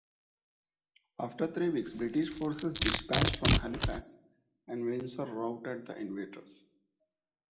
After three weeks, British forces dispatched from Halifax and Windsor routed the invaders.